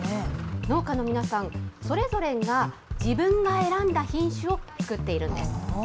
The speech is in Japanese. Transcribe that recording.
農家の皆さん、それぞれが自分が選んだ品種を作っているんです。